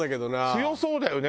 強そうだよね